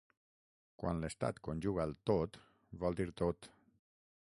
Quan l’estat conjuga el “tot” vol dir tot.